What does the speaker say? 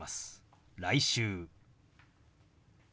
「来週」。